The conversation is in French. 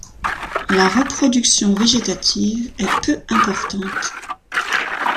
La reproduction végétative est peu importante.